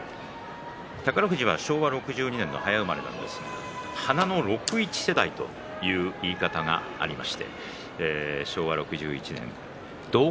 宝富士は昭和６２年の早生まれ花のロクイチ世代という言い方があります。